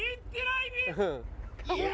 いや。